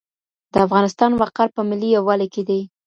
د افغانستان وقار په ملي یووالي کي دی.